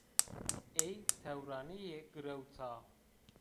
Ey tewranîye girewta